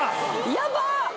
やばっ！